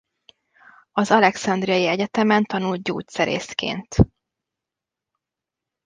Az Alexandriai Egyetemen tanult gyógyszerészként.